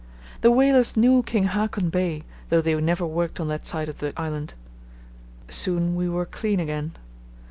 The whalers knew King Haakon Bay, though they never worked on that side of the island. Soon we were clean again.